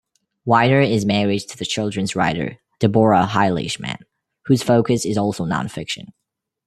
Weiner is married to the children's writer Deborah Heiligman, whose focus is also nonfiction.